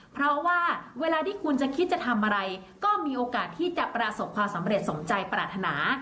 เพราะว่าเวลาที่คุณจะคิดจะทำอะไรก็มีโอกาสที่จะประสบความสำเร็จสมใจปรารถนา